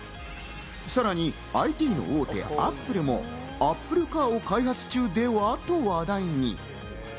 さらにＩＴの大手Ａｐｐｌｅもアップルカーを開発中ではと話題に。